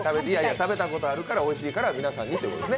食べたことあるからおいしいから皆さんにということですね。